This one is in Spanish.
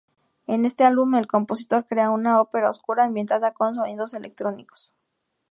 En este álbum el compositor crea una ópera oscura, ambientada con sonidos electrónicos.